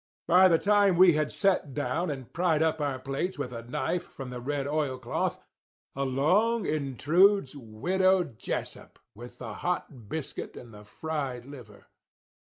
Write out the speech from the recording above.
By the time we had set down and pried up our plates with a knife from the red oil cloth, along intrudes Widow Jessup with the hot biscuit and the fried liver.